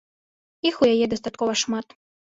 Іх у яе дастаткова шмат.